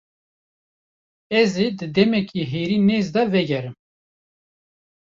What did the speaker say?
Ez ê di demeke herî nêz de vegerim.